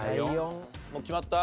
もう決まった？